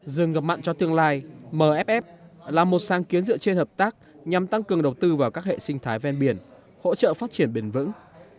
dừng ngập mặn cho tương lai mff là một sáng kiến dựa trên hợp tác nhằm tăng cường đầu tư vào các hệ sinh thái ven biển hỗ trợ phát triển bền vững